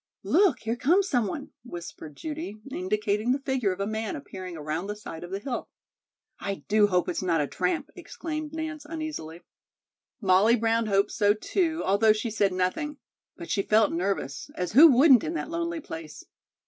"Look, here comes some one," whispered Judy, indicating the figure of a man appearing around the side of the hill. "I do hope it's not a tramp," exclaimed Nance uneasily. Molly Brown hoped so, too, although she said nothing. But she felt nervous, as who wouldn't in that lonely place?